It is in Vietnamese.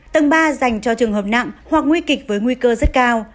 tầng ba dành cho trường hợp nặng hoặc nguy kịch với nguy cơ rất cao